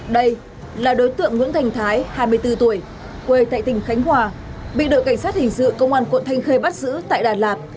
đây là đối tượng nguyễn thành thái hai mươi bốn tuổi quê tại tỉnh khánh hòa bị đội cảnh sát hình sự công an quận thanh khê bắt giữ tại đà lạt